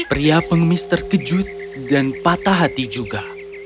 pria pengemis terkejut dan patah hati juga